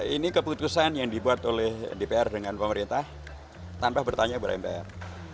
ini keputusan yang dibuat oleh dpr dengan pemerintah tanpa bertanya kepada mpr